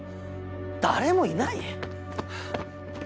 誰もいない？